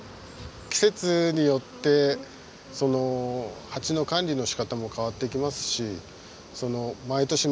季節によってハチの管理のしかたも変わってきますし毎年